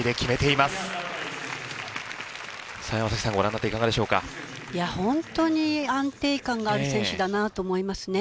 いや本当に安定感がある選手だなと思いますね。